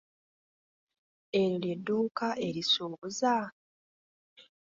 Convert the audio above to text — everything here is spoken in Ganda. Eryo ly'edduuka erisuubuza?